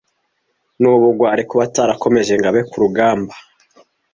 n'ubugwari kuba atarakomeje ngo abe ku rugamab